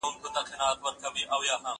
زه اجازه لرم چي سبا ته فکر وکړم،